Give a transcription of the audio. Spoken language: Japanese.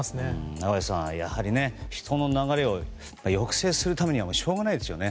中林さん、やはり人の流れを抑制するためにはしょうがないですよね。